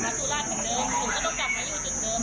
กับ๐๒ล่าต่างหรือก็ต้องจับไว้อยู่จากเดิม